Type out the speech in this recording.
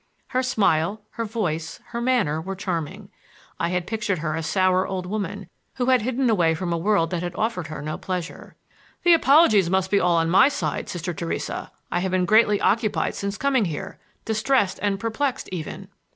Her smile, her voice, her manner were charming. I had pictured her a sour old woman, who had hidden away from a world that had offered her no pleasure. "The apologies must all be on my side, Sister Theresa. I have been greatly occupied since coming here,— distressed and perplexed even."